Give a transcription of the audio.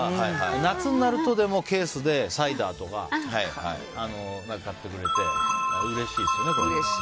夏になるとケースでサイダーとか買ってくれてうれしいですよね。